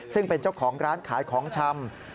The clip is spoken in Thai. ซึ่งเป็นเจ้าของร้านขายของชำ